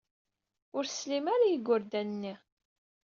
Ur teslim ara i yigurdan-nni.